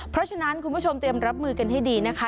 เพราะฉะนั้นคุณผู้ชมเตรียมรับมือกันให้ดีนะคะ